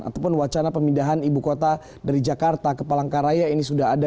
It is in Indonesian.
ataupun wacana pemindahan ibu kota dari jakarta ke palangkaraya ini sudah ada